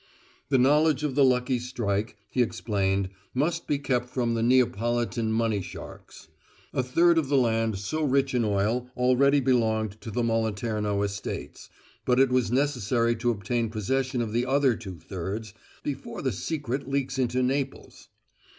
The knowledge of the lucky strike, he explained, must be kept from the "Neapolitan money sharks." A third of the land so rich in oil already belonged to the Moliterno estates, but it was necessary to obtain possession of the other two thirds "before the secret leaks into Naples."